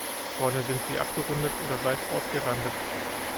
Vorne sind sie abgerundet oder seicht ausgerandet.